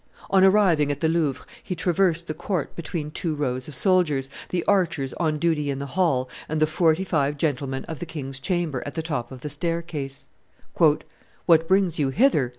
On arriving at the Louvre, he traversed the court between two rows of soldiers, the archers on duty in the hall, and the forty five gentlemen of the king's chamber at the top of the staircase. "What brings you hither?"